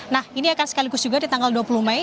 nah ini akan sekaligus juga di tanggal dua puluh mei